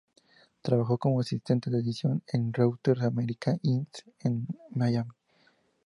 Trabajó como asistente de edición en Reuters America, Inc., en Miami.